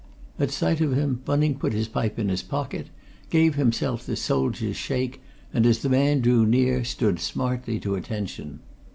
At sight of him Bunning put his pipe in his pocket, gave himself the soldier's shake and, as the man drew near, stood smartly to attention.